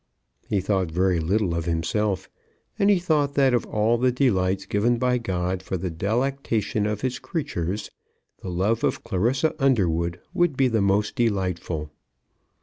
He thought very little of himself. And he thought that of all the delights given by God for the delectation of his creatures, the love of Clarissa Underwood would be the most delightful.